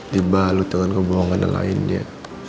dibalut dengan kebohongan yang lainnya